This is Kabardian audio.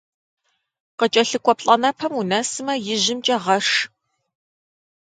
Къыкӏэлъыкӏуэ плӏэнэпэм унэсмэ, ижьымкӏэ гъэш.